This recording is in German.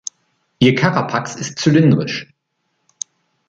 Ihr Carapax ist zylindrisch.